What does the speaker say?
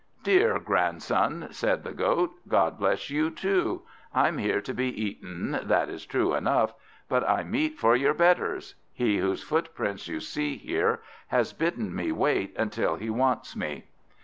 "Dear grandson," said the Goat, "God bless you too. I'm here to be eaten, that is true enough; but I'm meat for your betters. He whose footprints you see here has bidden me wait until he wants me."